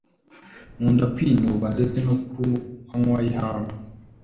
Nkunda kwinuba ndetse no ku manywa yihangu